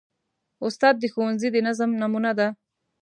استاد د ښوونځي د نظم نمونه ده.